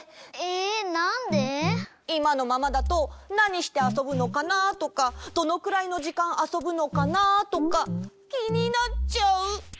いまのままだとなにしてあそぶのかなとかどのくらいのじかんあそぶのかなとかきになっちゃう。